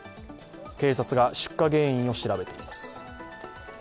警察が出火原因を調べています。